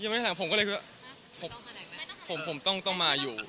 ไม่ถามผมก็เลยคือผมต้องมาอยู่